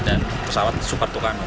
dianggap sebagai pesawat yang terbaik